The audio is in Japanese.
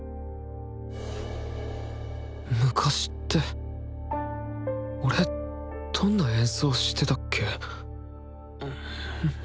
昔って俺どんな演奏してたっけ？